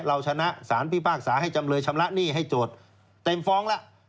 เราชนะสารพิพากษาให้จำเลยชำระหนี้ให้โจทย์เต็มฟ้องแล้ว